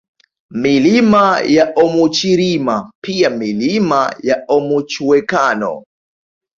Milima ya Omuchirima pia Milima ya Omuchwekano